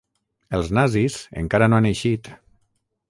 Els nazis encara no han eixit.